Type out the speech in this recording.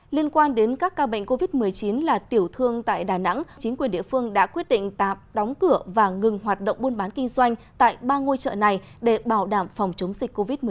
liên quan đến các ca bệnh covid một mươi chín là tiểu thương tại đà nẵng chính quyền địa phương đã quyết định tạm đóng cửa và ngừng hoạt động buôn bán kinh doanh tại ba ngôi chợ này để bảo đảm phòng chống dịch covid một mươi chín